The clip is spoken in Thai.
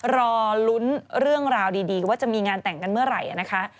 รอลุ้นเรื่องราวดีว่าจะมีงานแต่งกันเมื่อไหร่นะคะ